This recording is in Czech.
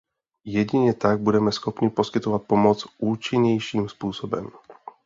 Jedině tak budeme schopni poskytovat pomoc účinnějším způsobem.